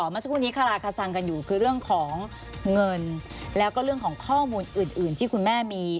เมื่อสักครู่นี้คาราคาซังกันอยู่คือเรื่องของเงินแล้วก็เรื่องของข้อมูลอื่นที่คุณแม่มี